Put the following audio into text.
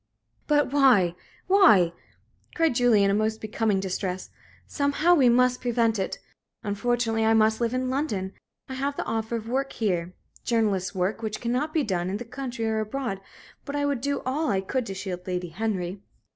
"But why? why?" cried Julie, in a most becoming distress. "Somehow, we must prevent it. Unfortunately I must live in London. I have the offer of work here journalist's work which cannot be done in the country or abroad. But I would do all I could to shield Lady Henry."